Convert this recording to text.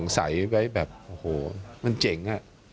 สงสัยไว้แบบโอ้โฮมันเจ๋ง